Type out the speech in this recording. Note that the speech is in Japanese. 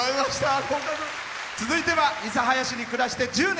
続いては諫早市に暮らして１０年。